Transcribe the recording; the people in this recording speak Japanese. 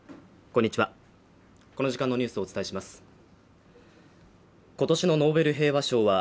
こんにちは